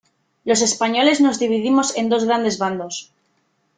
los españoles nos dividimos en dos grandes bandos :